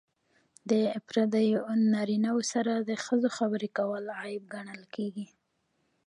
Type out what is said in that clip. د پردیو نارینه وو سره د ښځو خبرې کول عیب ګڼل کیږي.